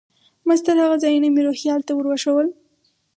مسطر هغه ځایونه مې روهیال ته ور وښوول.